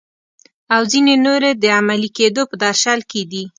او ځینې نورې د عملي کیدو په درشل کې دي.